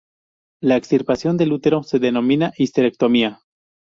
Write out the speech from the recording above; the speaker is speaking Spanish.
La extirpación del útero se denomina histerectomía.